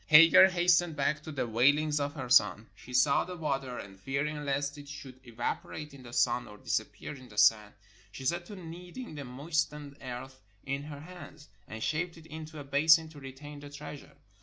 Hagar has tened back to the wailings of her son. She saw the water, and fearing lest it should evaporate in the sun or dis appear in the sand, she set to kneading the moistened earth in her hands, and shaped it into a basin to retain the treasure.